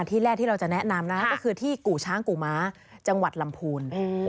ที่แรกที่เราจะแนะนำนะก็คือที่กู่ช้างกู่ม้าจังหวัดลำพูน